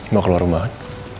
mau keluar rumah kan